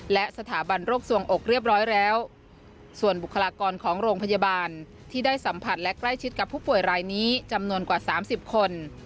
และสถาบันโรคสวงอกเรียบร้อยแล้วส่วนบุคลากรของโรงพยาบาลที่ได้สัมผัสและใกล้ชิดกับผู้ป่วยรายนี้จำนวนกว่า๓๐คน